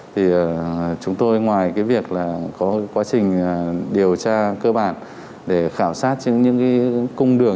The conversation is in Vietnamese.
thì chúng tôi ngoài cái việc là có quá trình điều tra cơ bản để khảo sát trên những cái cung đường